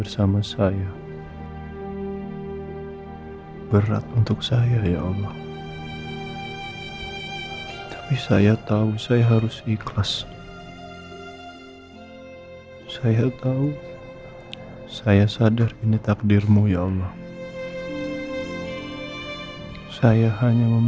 sampai jumpa di video selanjutnya